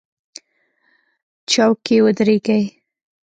چوک کې ودرېږئ